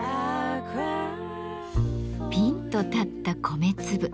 ぴんと立った米粒。